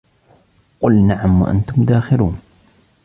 قُلْ نَعَمْ وَأَنْتُمْ دَاخِرُونَ